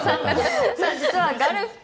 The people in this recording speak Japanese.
実はガルフ君